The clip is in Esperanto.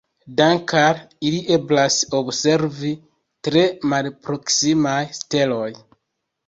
Dank'al ili eblas observi tre malproksimaj steloj.